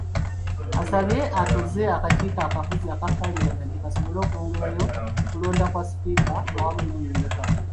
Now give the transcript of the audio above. Asaba atuuze akakiiko akafuzi aka Palamenti, kasobole okwongerayo okulonda kwa Sipiika awamu n'omumyuka we.